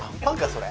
それ。